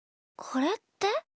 これって？